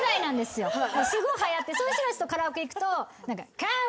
すごいはやってそういう人たちとカラオケ行くと。